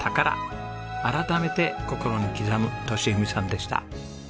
改めて心に刻む利文さんでした。